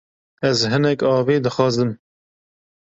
Ez hinek avê dixazim.